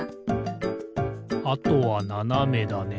あとはななめだね。